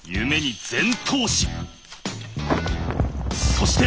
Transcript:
そして。